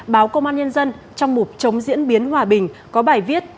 báo công an nhân dân trong mục chống diễn biến hòa bình có bài viết